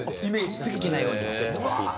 好きなように作ってほしいと。